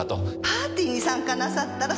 パーティーに参加なさったら？